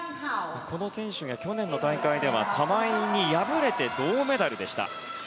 この選手は去年の大会では玉井に敗れた銅メダルでした。